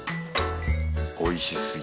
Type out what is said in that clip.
おいしすぎ